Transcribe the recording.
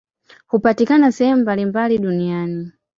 Hupatikana sehemu mbalimbali duniani.